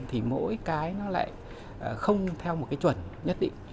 thì mỗi cái nó lại không theo một cái chuẩn nhất định